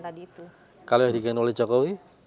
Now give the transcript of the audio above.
tadi itu kalau yang digain oleh jokowi